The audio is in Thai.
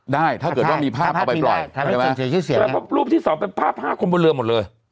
ได้ถ้าเกิดว่ามีภาพเอาไปปล่อยแล้วก็รูปที่สองเป็นภาพ๕คนบนเรือหมดเลย